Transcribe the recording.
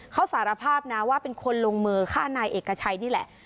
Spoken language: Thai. เขาสารภาพนะว่าเป็นคนลงมือฆ่านายเอกชัยนี่แหละ